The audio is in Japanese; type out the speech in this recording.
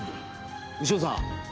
牛尾さん。